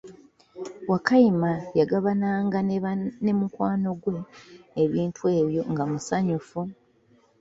Wakayima yagabananga ne mukwano gwe ebintu ebyo nga musanyufu.